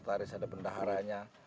ada kertaris ada pendaharanya